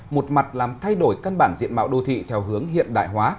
một mặt làm thay đổi căn bản diện mạo đô thị theo hướng hiện đại hóa